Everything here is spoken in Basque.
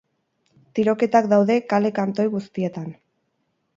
Tiroketak daude kale kantoi guztietan.